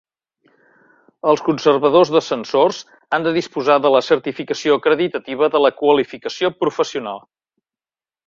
Els conservadors d'ascensors han de disposar de la certificació acreditativa de la qualificació professional.